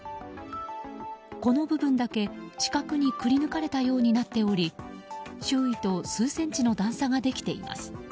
この部分だけ四角にくり抜かれたようになっており周囲と数センチの段差ができています。